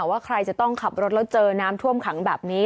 ว่าใครจะต้องขับรถแล้วเจอน้ำท่วมขังแบบนี้